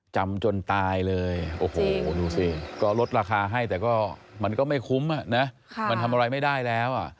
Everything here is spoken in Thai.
จำจนตายเลยโอ้โหดูสิก็ลดราคาให้แต่ก็มันก็ไม่คุ้มมันทำอะไรไม่ได้แล้ว